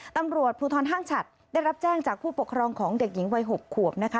ตำรวจภูทรห้างฉัดได้รับแจ้งจากผู้ปกครองของเด็กหญิงวัย๖ขวบนะคะ